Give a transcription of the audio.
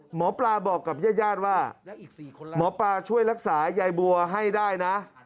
หมอปลาบอกกับญาติญาติว่าหมอปลาช่วยรักษายายบัวให้ได้นะ